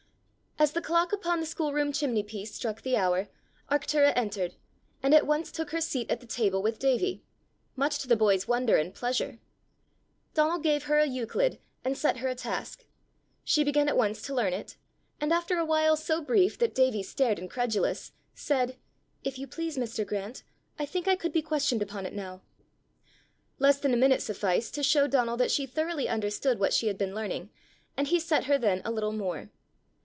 As the clock upon the schoolroom chimney piece struck the hour, Arctura entered, and at once took her seat at the table with Davie much to the boy's wonder and pleasure. Donal gave her a Euclid, and set her a task: she began at once to learn it and after a while so brief that Davie stared incredulous, said, "If you please, Mr. Grant, I think I could be questioned upon it now." Less than a minute sufficed to show Donal that she thoroughly understood what she had been learning, and he set her then a little more.